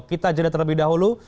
kita jeda terlebih dahulu